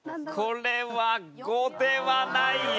これは５ではない。